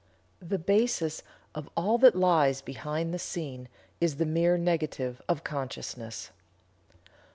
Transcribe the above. The basis of all that lies behind the scene is the mere negative of consciousness."